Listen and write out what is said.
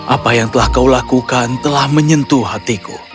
apa yang telah kau lakukan telah menyentuh hatiku